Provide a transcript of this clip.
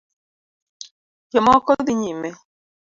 Jomoko dhi nyime